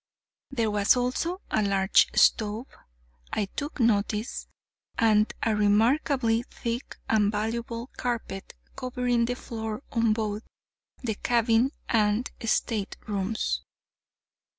There was also a large stove, I took notice, and a remarkably thick and valuable carpet covering the floor of both the cabin and staterooms.